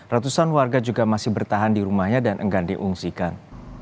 ratusan warga juga masih bertahan di rumahnya dan enggan diungsikan